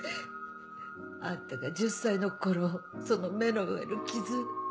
あんたが１０歳の頃その目の上の傷